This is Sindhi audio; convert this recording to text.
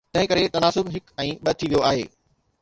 تنهن ڪري، تناسب هڪ ۽ ٻه ٿي ويو آهي.